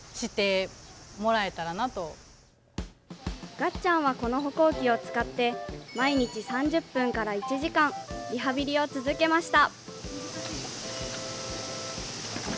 がっちゃんはこの歩行器を使って毎日３０分から１時間リハビリを続けました。